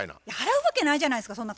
いや払うわけないじゃないですか。